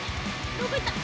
どこ行った？